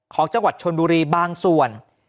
ของจังหวัดชนบุรีบางส่วน